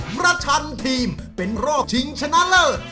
ชันทีมเป็นรอบชิงชนะเลิศ